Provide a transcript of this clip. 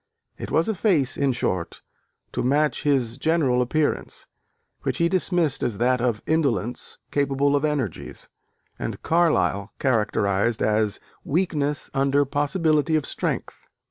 It was a face, in short, to match his general appearance, which he dismissed as that of "indolence capable of energies," and Carlyle characterised as "weakness under possibility of strength."